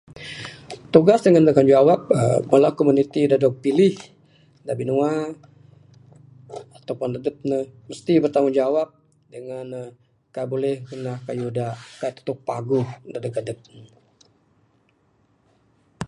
Tugas dangan tanggungjawab aaa Bala komuniti da dog pilih da binua ato pun adep ne mesti bertanggungjawab dangan aaa kaik buleh ngundah kayuh da kaik tantu paguh dadeg adep ne.